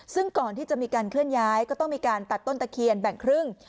ซึ่งก่อนที่จะมีการเคลื่อนย้ายก็ต้องมีการตัดต้นตะเคียนแบ่งครึ่ง